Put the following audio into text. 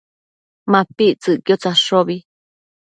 MapictsËquid tsadshobi